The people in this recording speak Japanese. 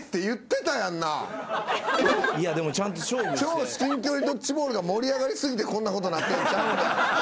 超至近距離ドッジボールが盛り上がり過ぎてこんなことになってるんちゃうんか？